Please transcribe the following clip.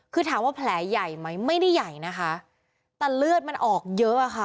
คือถามว่าแผลใหญ่ไหมไม่ได้ใหญ่นะคะแต่เลือดมันออกเยอะอะค่ะ